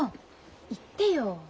言ってよ。